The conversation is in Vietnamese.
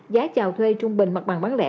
giá trào thuê trung bình mặt bằng bản lệ